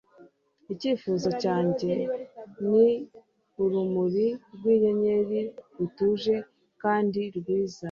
icyifuzo cyanjye ni urumuri rwinyenyeri, rutuje kandi rwiza